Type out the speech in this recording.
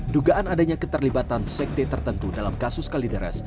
dugaan adanya keterlibatan sekte tertentu dalam kasus kalideres